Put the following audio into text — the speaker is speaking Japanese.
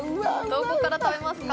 どこから食べますか？